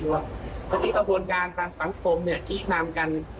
ทำยังการการทางสังพงษ์ชี้ทำกัน